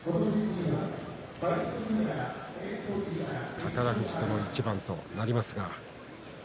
宝富士との一番となります。